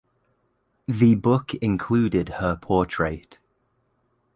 The book included her portrait.